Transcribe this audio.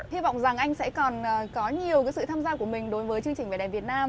hi vọng rằng anh sẽ còn có nhiều cái sự tham gia của mình đối với chương trình về đèn việt nam